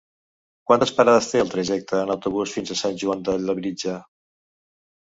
Quantes parades té el trajecte en autobús fins a Sant Joan de Labritja?